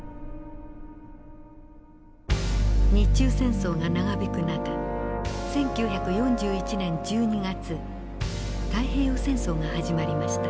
日中戦争が長引く中１９４１年１２月太平洋戦争が始まりました。